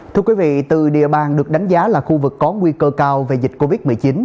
thưa quý vị từ địa bàn được đánh giá là khu vực có nguy cơ cao về dịch covid một mươi chín